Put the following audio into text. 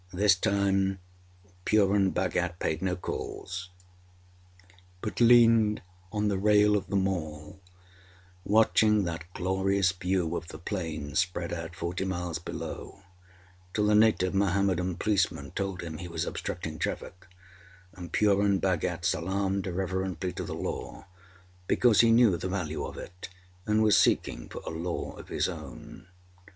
This time Purun Bhagat paid no calls, but leaned on the rail of the Mall, watching that glorious view of the Plains spread out forty miles below, till a native Mohammedan policeman told him he was obstructing traffic; and Purun Bhagat salaamed reverently to the Law, because he knew the value of it, and was seeking for a Law of his own.